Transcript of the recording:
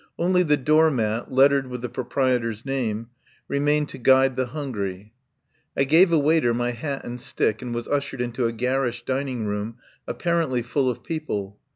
Only the doormat, lettered with 136 RESTAURANT IN ANTIOCH STREET the proprietor's name, remained to guide the hungry. I gave a waiter my hat and stick, and was ushered into a garish dining room, apparently full of people.